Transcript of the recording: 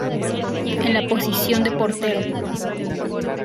En la posición de portero.